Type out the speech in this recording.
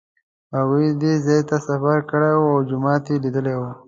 هغوی دې ځای ته سفر کړی و او جومات یې لیدلی و.